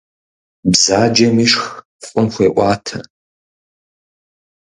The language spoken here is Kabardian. Бзаджэм ишх фӀым хуеӀуатэ.